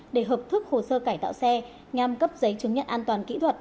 để hợp thức hồ sơ cải tạo xe nhằm cấp giấy chứng nhận an toàn kỹ thuật